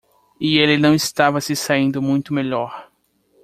E ele não estava se saindo muito melhor.